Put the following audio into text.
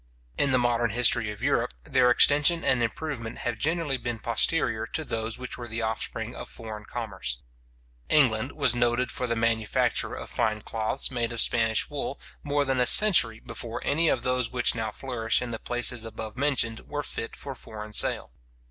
In the modern history of Europe, their extension and improvement have generally been posterior to those which were the offspring of foreign commerce. England was noted for the manufacture of fine cloths made of Spanish wool, more than a century before any of those which now flourish in the places above mentioned were fit for foreign sale.